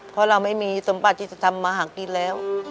เพราะเราไม่มีสมบัติที่จะทำมาหากินแล้ว